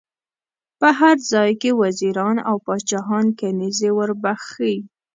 په هر ځای کې وزیران او پاچاهان کنیزي ور بخښي.